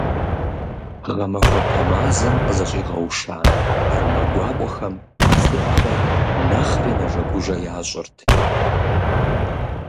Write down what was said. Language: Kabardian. Гъэмахуэпэ мазэм къызэщӀигъэуша пэрымэ гуакӀуэхэм цӀыхухэр нэхъри нэжэгужэ ящӀырт.